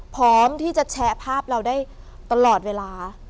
พร้อมที่จะแชร์ภาพเราได้ตลอดเวลา